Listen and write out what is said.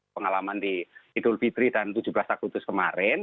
pengalaman di idul fitri dan tujuh belas agustus kemarin